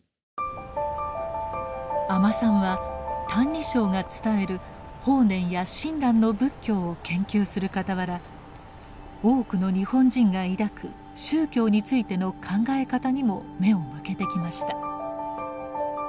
阿満さんは「歎異抄」が伝える法然や親鸞の仏教を研究するかたわら多くの日本人が抱く宗教についての考え方にも目を向けてきました。